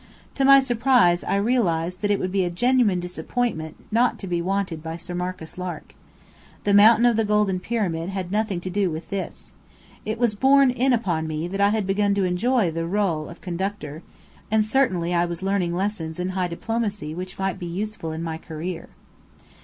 To my surprise, I realized that it would be a genuine disappointment not to be wanted by Sir Marcus Lark. The Mountain of the Golden Pyramid had nothing to do with this. It was borne in upon me that I had begun to enjoy the rôle of conductor; and certainly I was learning lessons in high diplomacy which might be useful in my career.